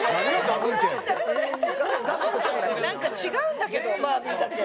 なんか違うんだけどバービーだけ。